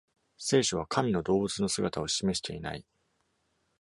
聖書は神の動物の姿を示していない。